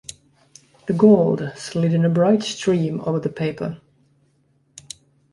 The gold slid in a bright stream over the paper.